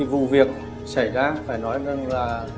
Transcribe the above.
vụ việc xảy ra phải nói rằng là